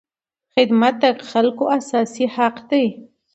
خدمت د خلکو اساسي حق دی.